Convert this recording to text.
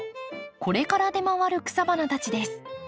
これから出回る草花たちです。